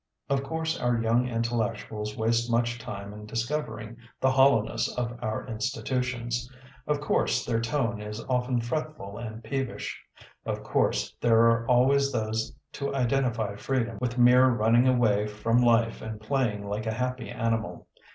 Of course our young intellectuals waste much time in discovering the hoUowness of our institutions; of course their tone is often fretful and peevish; of course there are always those to identify freedom with mere running away from life and playing like a happy animal.